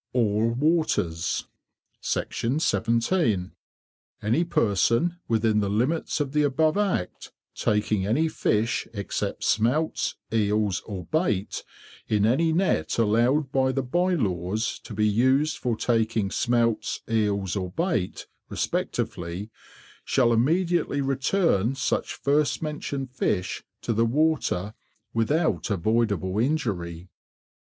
ALL WATERS. 17. Any person, within the limits of the above Act, taking any Fish except Smelts, Eels, or Bait in any Net allowed by the Bye Laws to be used for taking Smelts, Eels, or Bait respectively, shall immediately return such first mentioned Fish to the water without avoidable injury.